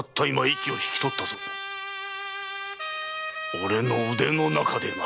俺の腕の中でな！